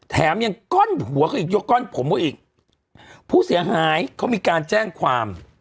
แถมยังก้อนหัวเขาอีกยกก้อนผมเขาอีกผู้เสียหายเขามีการแจ้งความ